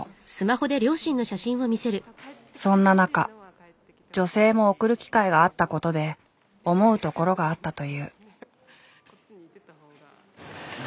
そんな中女性も送る機会があったことで思うところがあったという。